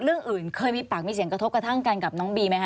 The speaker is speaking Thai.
เรื่องอื่นเคยมีปากมีเสียงกระทบกระทั่งกันกับน้องบีไหมค